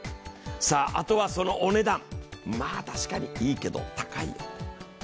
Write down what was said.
あとは、そのお値段、まあ確かにいいけど、高いよと。